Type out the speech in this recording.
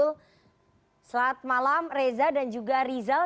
selamat malam reza dan juga rizal